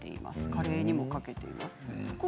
カレーにもかけています。